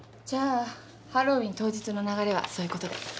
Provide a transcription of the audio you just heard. じゃあハロウィーン当日の流れはそういうことで。